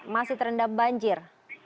masih terendam banjir